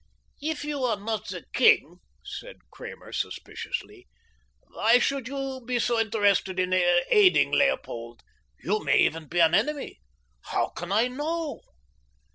"If you are not the king," said Kramer suspiciously, "why should you be so interested in aiding Leopold? You may even be an enemy. How can I know?"